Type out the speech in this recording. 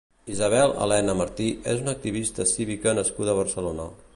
Isabel-Helena Martí és una activista cívica nascuda a Barcelona.